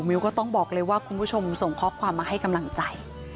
ก็ต้องบอกเลยว่าคุณผู้ชมส่งข้อความมาให้กำลังใจ